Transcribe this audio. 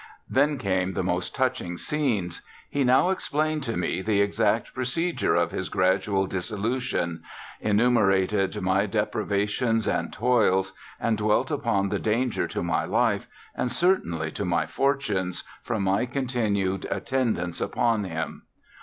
Then came the most touching scenes. He now explained to me the exact procedure of his gradual dissolution, enumerated my deprivations and toils, and dwelt upon the danger to my life, and certainly to my fortunes, from my continued attendance upon him.